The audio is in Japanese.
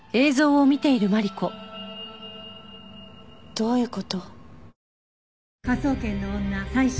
どういう事？